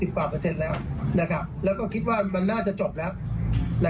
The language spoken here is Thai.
กว่าเปอร์เซ็นต์แล้วนะครับแล้วก็คิดว่ามันน่าจะจบแล้ว